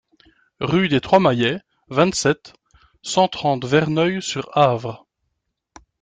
Rue des Trois Maillets, vingt-sept, cent trente Verneuil-sur-Avre